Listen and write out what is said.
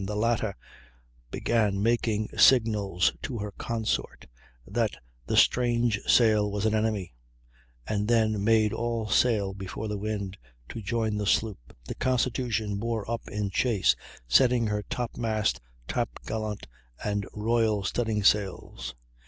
the latter began making signals to her consort that the strange sail was an enemy, and then made all sail before the wind to join the sloop. The Constitution bore up in chase, setting her top mast, top gallant, and royal studding sails.